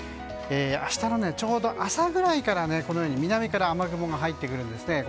明日のちょうど朝くらいから南から雨雲が入ってくるんですね。